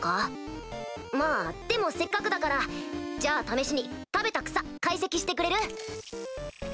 まあでもせっかくだからじゃあ試しに食べた草解析してくれる？